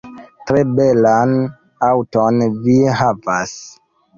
Tre belan aŭton vi havas